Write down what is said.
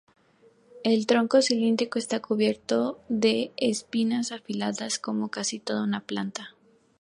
El tronco cilíndrico está cubierto de espinas afiladas como casi toda la planta.